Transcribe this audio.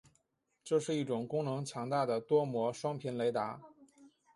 这是一种功能强大的多模双频雷达。